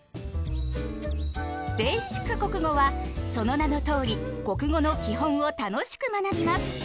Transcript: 「ベーシック国語」はその名のとおり国語の基本を楽しく学びます。